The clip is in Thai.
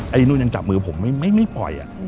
ไอ้นู่นยังจับมือผมไม่ปล่อย